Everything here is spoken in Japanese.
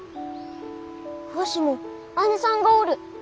わしも姉さんがおる！